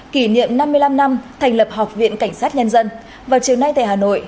kỷ niệm năm mươi năm năm thành lập học viện cảnh sát nhân dân vào chiều nay tại hà nội